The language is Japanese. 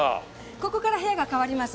ここから部屋が変わります。